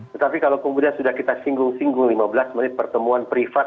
tetapi kalau kemudian sudah kita singgung singgung lima belas menit pertemuan privat